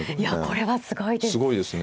これはすごいです。